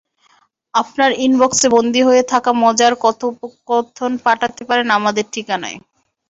আপনার ইনবক্সে বন্দী হয়ে থাকা মজার কথোপকথন পাঠাতে পারেন আমাদের ঠিকানায়।